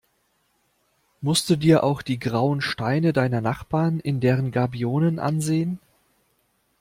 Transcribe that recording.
Musst du dir auch die grauen Steine deiner Nachbarn in deren Gabionen ansehen?